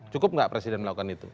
cukup nggak presiden melakukan itu